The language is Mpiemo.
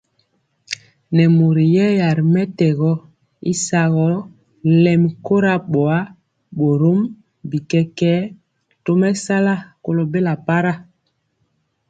Nɛ mori yɛya ri mɛtɛgɔ y sagɔ lɛmi kora boa, borom bi kɛkɛɛ tomesala kolo bela para.